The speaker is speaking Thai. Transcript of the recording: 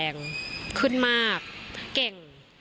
เพราะว่ามีเพื่อนซีอย่างน้ำชาชีระนัทอยู่เคียงข้างเสมอค่ะ